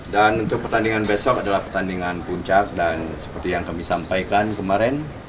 dan untuk pertandingan besok adalah pertandingan puncak dan seperti yang kami sampaikan kemarin